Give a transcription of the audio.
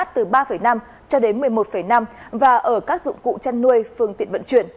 từ ba năm cho đến một mươi một năm và ở các dụng cụ chăn nuôi phương tiện vận chuyển